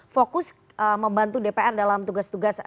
fokus membantu dpr dalam tugas tugas